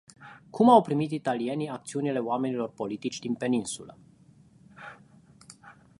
Cum au primit italienii acțiunile oamenilor politici din peninsulă.